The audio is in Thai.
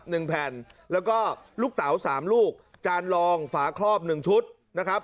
หนึ่งแผ่นแล้วก็ลูกเต๋าสามลูกจานรองฝาครอบหนึ่งชุดนะครับ